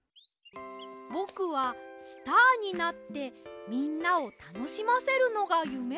「ぼくはスターになってみんなをたのしませるのがゆめです。